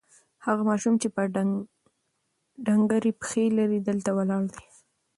هغه ماشوم چې ډنګرې پښې لري، دلته ولاړ دی.